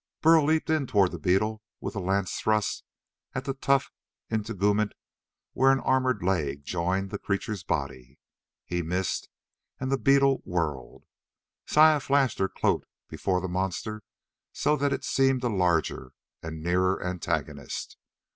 Burl leaped in toward the beetle with a lance thrust at the tough integument where an armored leg joined the creature's body. He missed, and the beetle whirled. Saya flashed her cloak before the monster so that it seemed a larger and a nearer antagonist.